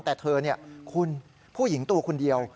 แต่เธอนี่คุณผู้หญิงตู้คือคนเดียว